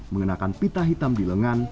mengenakan pita hitam di lengan